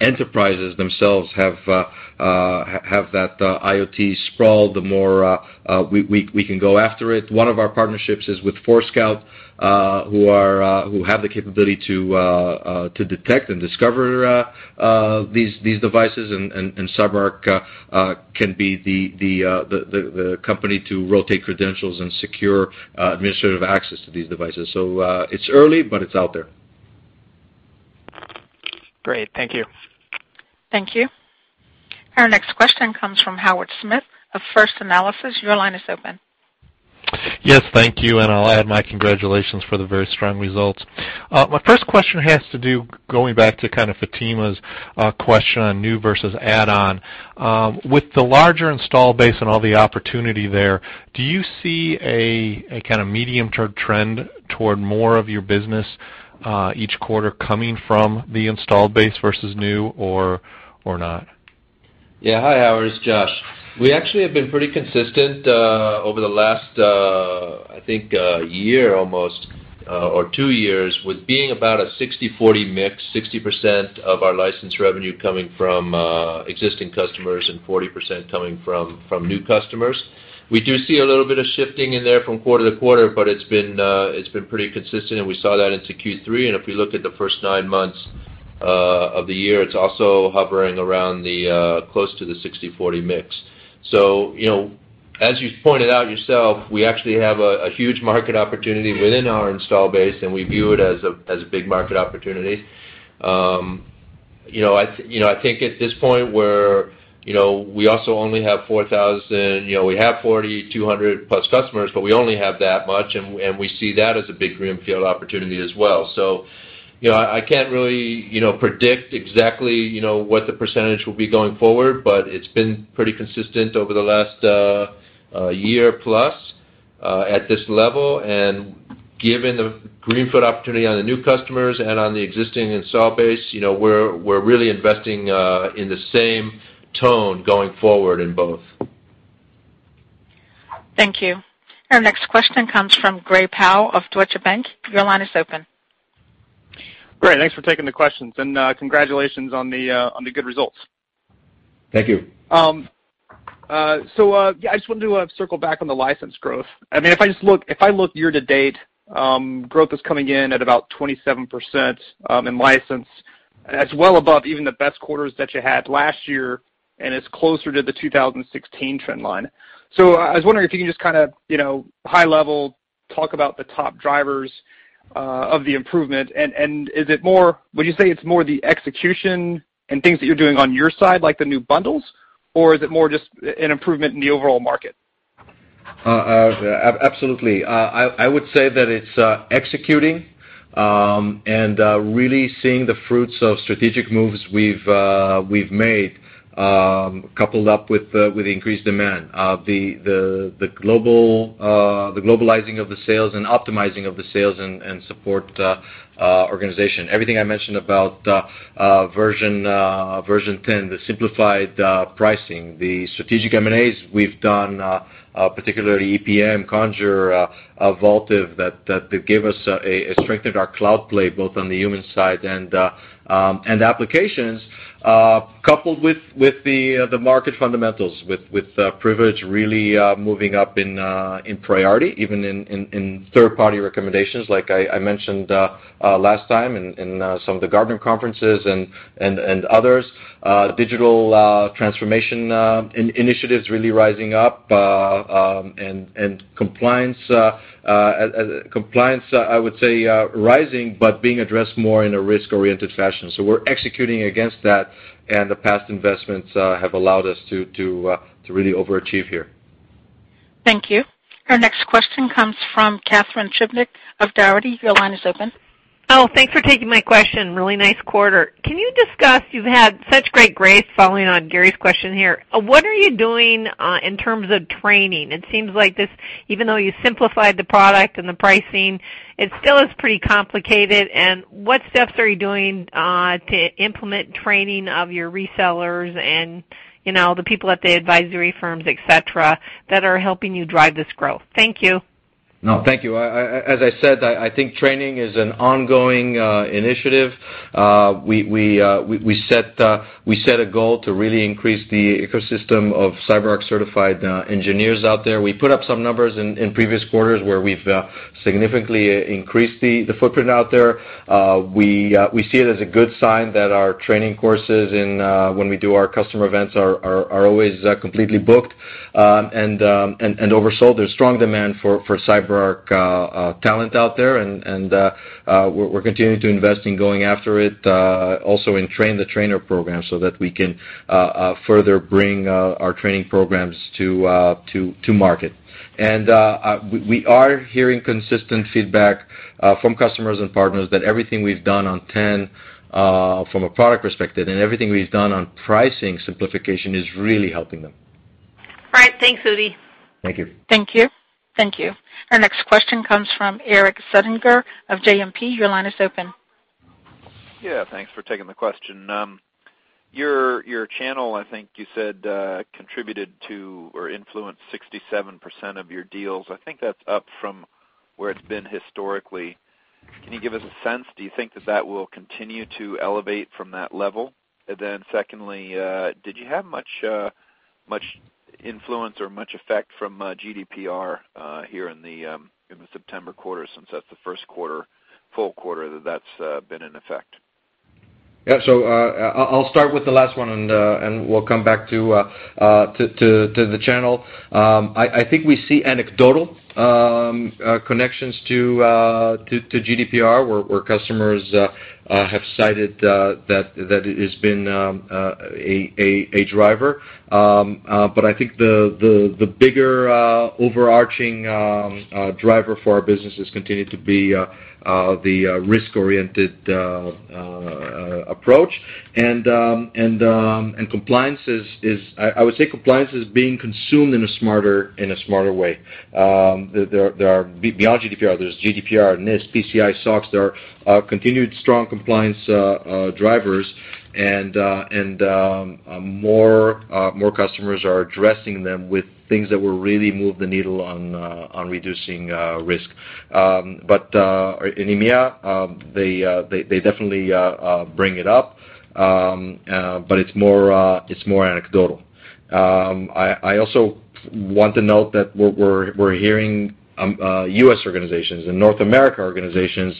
enterprises themselves have that IoT sprawl, the more we can go after it. One of our partnerships is with Forescout, who have the capability to detect and discover these devices, and CyberArk can be the company to rotate credentials and secure administrative access to these devices. It's early, but it's out there. Great. Thank you. Thank you. Our next question comes from Howard Smith of First Analysis. Your line is open. Yes. Thank you, and I'll add my congratulations for the very strong results. My first question has to do, going back to Fatima's question on new versus add-on. With the larger install base and all the opportunity there, do you see a medium-term trend toward more of your business each quarter coming from the installed base versus new or not? Hi, Howard, it's Josh. We actually have been pretty consistent over the last, I think, year almost or two years with being about a 60/40 mix, 60% of our license revenue coming from existing customers and 40% coming from new customers. We do see a little bit of shifting in there from quarter to quarter, but it's been pretty consistent, and we saw that into Q3. And if we look at the first nine months of the year, it's also hovering around close to the 60/40 mix. As you pointed out yourself, we actually have a huge market opportunity within our install base, and we view it as a big market opportunity. I think at this point, we also only have 4,200-plus customers, but we only have that much, and we see that as a big greenfield opportunity as well. I can't really predict exactly what the percentage will be going forward, but it's been pretty consistent over the last year-plus at this level. And given the greenfield opportunity on the new customers and on the existing install base, we're really investing in the same tone going forward in both. Thank you. Our next question comes from Gray Powell of Deutsche Bank. Your line is open. Gray, thanks for taking the questions, and congratulations on the good results. Thank you. Yeah, I just wanted to circle back on the license growth. If I look year to date, growth is coming in at about 27% in license. That's well above even the best quarters that you had last year, and it's closer to the 2016 trend line. I was wondering if you can just high-level talk about the top drivers of the improvement, and would you say it's more the execution and things that you're doing on your side, like the new bundles, or is it more just an improvement in the overall market? Absolutely. I would say that it's executing and really seeing the fruits of strategic moves we've made, coupled up with increased demand, the globalizing of the sales and optimizing of the sales and support organization. Everything I mentioned about version 10, the simplified pricing, the strategic M&As we've done, particularly EPM, Conjur, Vaultive, it strengthened our cloud play, both on the human side and applications, coupled with the market fundamentals, with Privilege really moving up in priority, even in third-party recommendations, like I mentioned last time in some of the Gartner conferences and others. Digital transformation initiatives really rising up, and compliance, I would say, rising, but being addressed more in a risk-oriented fashion. We're executing against that, and the past investments have allowed us to really overachieve here. Thank you. Our next question comes from Catharine Trebnick of Dougherty. Your line is open. Thanks for taking my question. Really nice quarter. Can you discuss, you've had such great grace following on Gray's question here. What are you doing in terms of training? It seems like this, even though you simplified the product and the pricing, it still is pretty complicated. What steps are you doing to implement training of your resellers and the people at the advisory firms, et cetera, that are helping you drive this growth? Thank you. No, thank you. As I said, I think training is an ongoing initiative. We set a goal to really increase the ecosystem of CyberArk certified engineers out there. We put up some numbers in previous quarters where we've significantly increased the footprint out there. We see it as a good sign that our training courses when we do our customer events are always completely booked and oversold. There's strong demand for CyberArk talent out there, also in train-the-trainer programs so that we can further bring our training programs to market. We are hearing consistent feedback from customers and partners that everything we've done on 10 from a product perspective and everything we've done on pricing simplification is really helping them. All right. Thanks, Udi. Thank you. Thank you. Our next question comes from Erik Suppiger of JMP. Your line is open. Yeah, thanks for taking the question. Your channel, I think you said, contributed to or influenced 67% of your deals. I think that's up from where it's been historically. Can you give us a sense? Do you think that that will continue to elevate from that level? Then secondly, did you have much influence or much effect from GDPR here in the September quarter, since that's the first full quarter that's been in effect? Yeah. I'll start with the last one, we'll come back to the channel. I think we see anecdotal connections to GDPR where customers have cited that it has been a driver. I think the bigger overarching driver for our business has continued to be the risk-oriented- approach. I would say compliance is being consumed in a smarter way. Beyond GDPR, there's GDPR, NIS, PCI, SOX. There are continued strong compliance drivers and more customers are addressing them with things that will really move the needle on reducing risk. In EMEA, they definitely bring it up, but it's more anecdotal. I also want to note that we're hearing U.S. organizations and North America organizations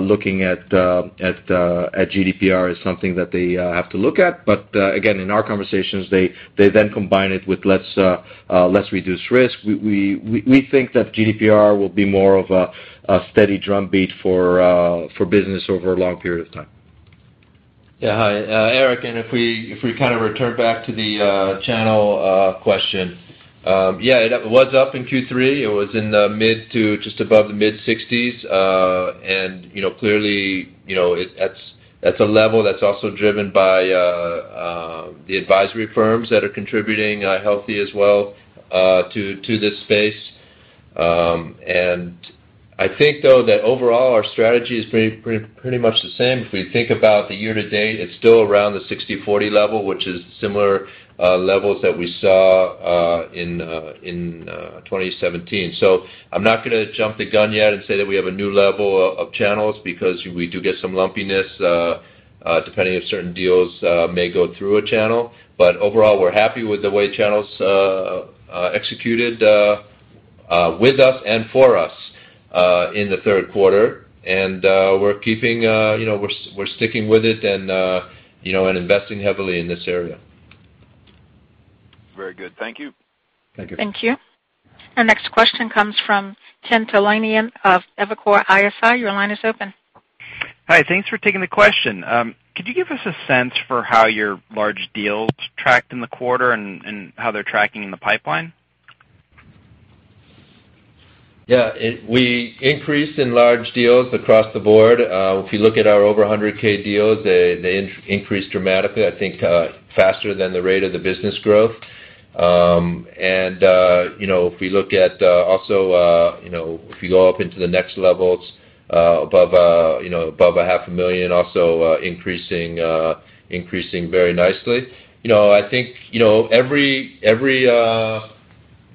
looking at GDPR as something that they have to look at. Again, in our conversations, they then combine it with less reduced risk. We think that GDPR will be more of a steady drum beat for business over a long period of time. Hi, Erik, if we kind of return back to the channel question. It was up in Q3. It was in the mid to just above the mid-60s. Clearly, that's a level that's also driven by the advisory firms that are contributing healthy as well to this space. I think, though, that overall, our strategy is pretty much the same. If we think about the year-to-date, it's still around the 60/40 level, which is similar levels that we saw in 2017. I'm not going to jump the gun yet and say that we have a new level of channels because we do get some lumpiness, depending if certain deals may go through a channel. Overall, we're happy with the way channels executed with us and for us in the third quarter. We're sticking with it and investing heavily in this area. Very good. Thank you. Thank you. Thank you. Our next question comes from Ken Talanian of Evercore ISI. Your line is open. Hi, thanks for taking the question. Could you give us a sense for how your large deals tracked in the quarter and how they're tracking in the pipeline? Yeah, we increased in large deals across the board. If you look at our over 100K deals, they increased dramatically, I think, faster than the rate of the business growth. If we look at also if you go up into the next levels above a half a million, also increasing very nicely. I think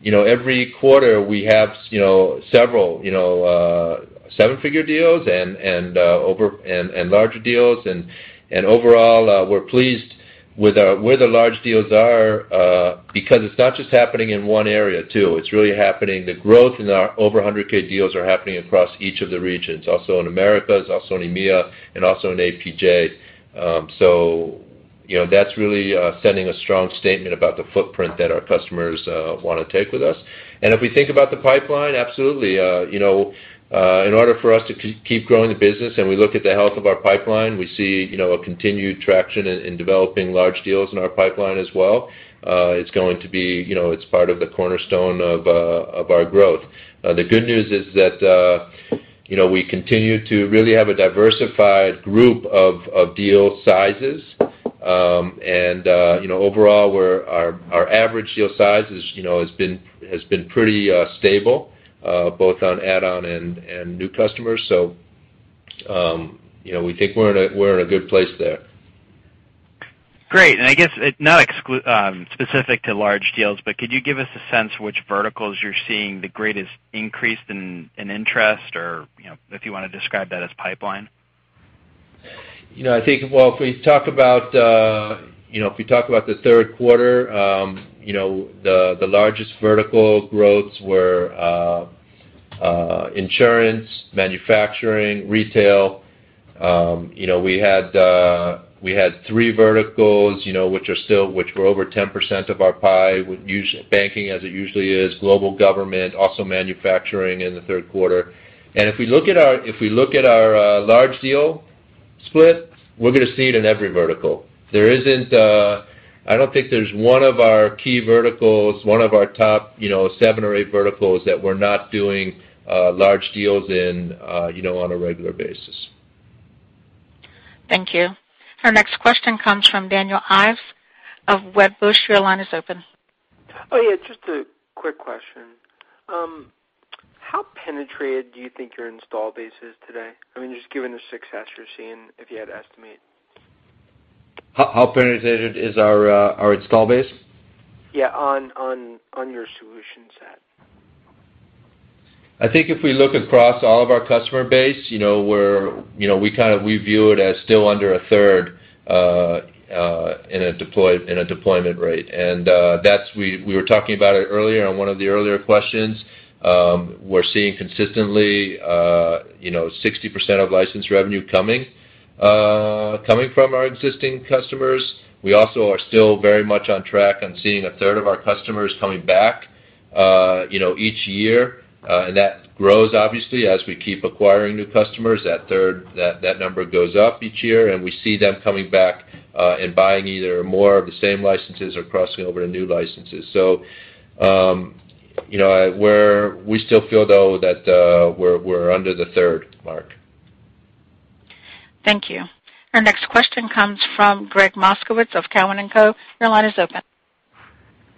every quarter, we have several seven-figure deals and larger deals. Overall, we're pleased with where the large deals are because it's not just happening in one area, too. The growth in our over 100K deals are happening across each of the regions, also in Americas, also in EMEA, and also in APJ. That's really sending a strong statement about the footprint that our customers want to take with us. If we think about the pipeline, absolutely. In order for us to keep growing the business and we look at the health of our pipeline, we see a continued traction in developing large deals in our pipeline as well. It's part of the cornerstone of our growth. The good news is that we continue to really have a diversified group of deal sizes. Overall, our average deal size has been pretty stable both on add-on and new customers. We think we're in a good place there. Great. I guess, not specific to large deals, but could you give us a sense which verticals you're seeing the greatest increase in interest or if you want to describe that as pipeline? Well, if we talk about the third quarter, the largest vertical growths were insurance, manufacturing, retail. We had three verticals which were over 10% of our pie. Banking, as it usually is, global government, also manufacturing in the third quarter. If we look at our large deal split, we're going to see it in every vertical. I don't think there's one of our key verticals, one of our top seven or eight verticals, that we're not doing large deals in on a regular basis. Thank you. Our next question comes from Daniel Ives of Wedbush. Your line is open. Yeah, just a quick question. How penetrated do you think your install base is today? I mean, just given the success you're seeing, if you had to estimate. How penetrated is our install base? Yeah, on your solution set. I think if we look across all of our customer base, we view it as still under a third in a deployment rate. We were talking about it earlier on one of the earlier questions. We're seeing consistently 60% of license revenue coming from our existing customers. We also are still very much on track and seeing a third of our customers coming back each year. That grows, obviously, as we keep acquiring new customers. That third, that number goes up each year, and we see them coming back and buying either more of the same licenses or crossing over to new licenses. We still feel, though, that we're under the third mark. Thank you. Our next question comes from Gregg Moskowitz of Cowen and Company. Your line is open.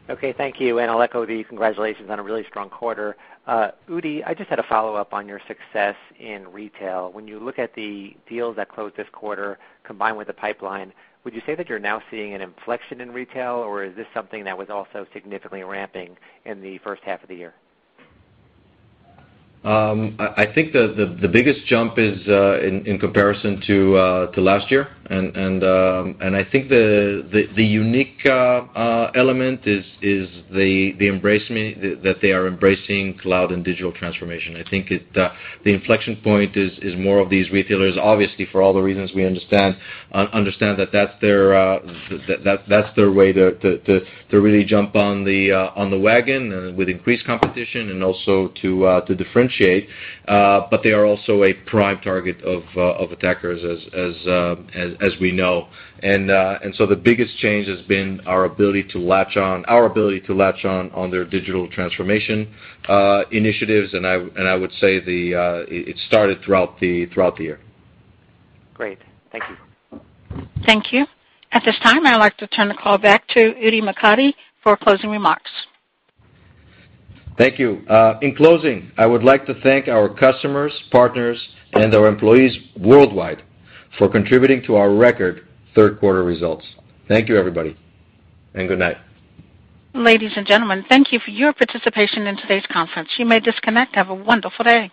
Okay, thank you. I'll echo the congratulations on a really strong quarter. Udi, I just had a follow-up on your success in retail. When you look at the deals that closed this quarter combined with the pipeline, would you say that you're now seeing an inflection in retail, or is this something that was also significantly ramping in the first half of the year? I think the biggest jump is in comparison to last year. I think the unique element is that they are embracing cloud and digital transformation. The inflection point is more of these retailers, obviously, for all the reasons we understand, that that's their way to really jump on the wagon and with increased competition and also to differentiate. They are also a prime target of attackers, as we know. The biggest change has been our ability to latch on their digital transformation initiatives, and I would say it started throughout the year. Great. Thank you. Thank you. At this time, I'd like to turn the call back to Udi Mokady for closing remarks. Thank you. In closing, I would like to thank our customers, partners, and our employees worldwide for contributing to our record third-quarter results. Thank you, everybody, and good night. Ladies and gentlemen, thank you for your participation in today's conference. You may disconnect. Have a wonderful day.